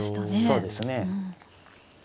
そうですね。